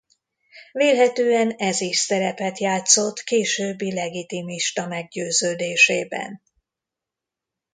Vélhetően ez is szerepet játszott későbbi legitimista meggyőződésében.